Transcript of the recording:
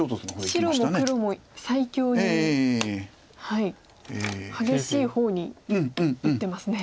白も黒も最強に激しい方に打ってますね。